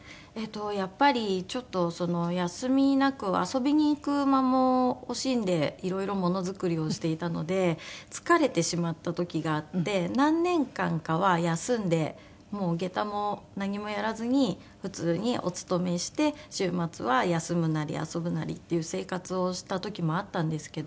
やっぱりちょっとその休みなく遊びに行く間も惜しんでいろいろものづくりをしていたので疲れてしまった時があって何年間かは休んでもう下駄も何もやらずに普通にお勤めして週末は休むなり遊ぶなりっていう生活をした時もあったんですけど